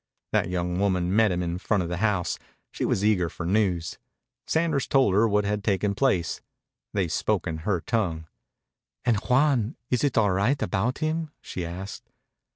That young woman met him in front of the house. She was eager for news. Sanders told her what had taken place. They spoke in her tongue. "And Juan is it all right about him?" she asked.